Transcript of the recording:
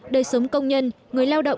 đời sống công nhân người lao động